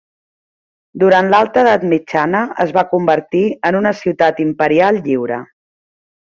Durant l'Alta Edat Mitjana, es va convertir en una ciutat imperial lliure.